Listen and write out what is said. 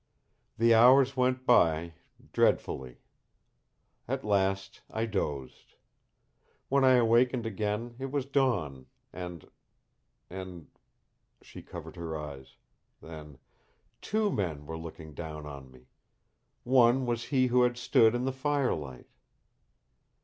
"The hours went by dreadfully. At last I dozed. When I awakened again it was dawn and and " she covered her eyes, then: "TWO men were looking down on me. One was he who had stood in the firelight."